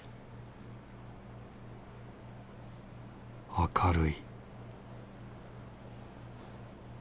明るい